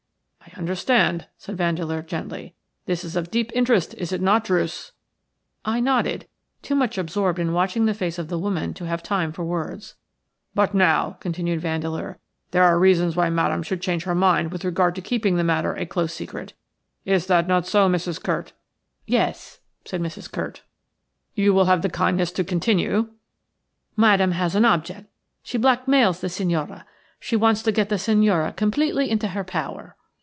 "I understand," said Vandeleur, gently. "This is of deep interest, is it not, Druce?" I nodded, too much absorbed in watching the face of the woman to have time for words. "But now," continued Vandeleur, "there are reasons why Madame should change her mind with regard to keeping the matter a close secret – is that not so, Mrs. Curt?" "Yes," said Mrs. Curt. "You will have the kindness to continue." "Madame has an object – she blackmails the signora. She wants to get the signora completely into her power."